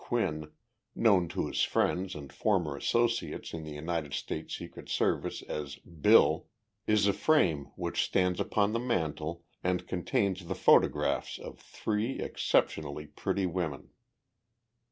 Quinn known to his friends and former associates in the United States Secret Service as "Bill" is a frame which stands upon the mantel and contains the photographs of three exceptionally pretty women.